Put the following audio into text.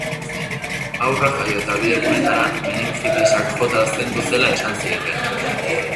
Haurra jaio eta bi egunetara, meningitisak jota zendu zela esan zieten.